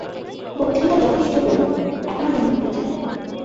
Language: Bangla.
বক্তৃতা যথেষ্ট হল, এখন আমি লিখতে চাই।